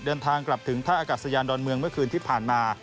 เดินทางกลับถึงท่าอากาศยานดอนเมืองเมื่อคืนที่ผ่านมา